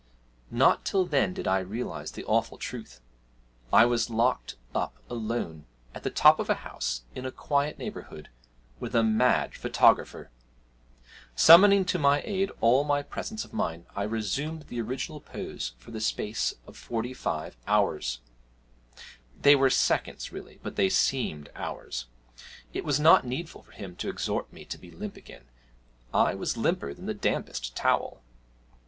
Not till then did I realise the awful truth I was locked up alone, at the top of a house, in a quiet neighbourhood, with a mad photographer! Summoning to my aid all my presence of mind, I resumed the original pose for the space of forty five hours they were seconds really, but they seemed hours; it was not needful for him to exhort me to be limp again I was limper than the dampest towel!